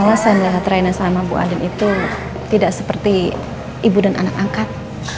kalau saya melihat raina sama bu adin itu tidak seperti ibu dan anak angkat